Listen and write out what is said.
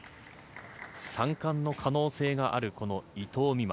３冠の可能性がある伊藤美誠。